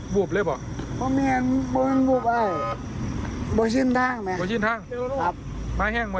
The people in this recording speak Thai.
บวงชื่นทางครับม้าแห้งหมด